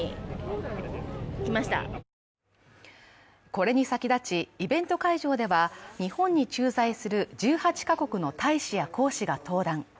これに先立ちイベント会場では日本に駐在する１８か国の大使や公使が登壇。